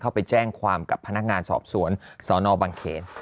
ไปแจ้งความกับพนักงานสอบสวนสนบังเขน